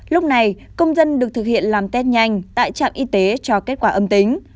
lúc này công dân được thực hiện làm test nhanh tại trạm y tế cho kết quả âm tính